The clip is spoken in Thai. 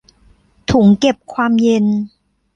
ถุงเก็บความเย็น